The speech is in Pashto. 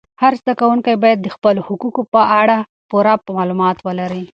هر زده کوونکی باید د خپلو حقوقو په اړه پوره معلومات ولري.